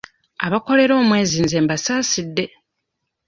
Abakolera omwezi nze mbasaasidde.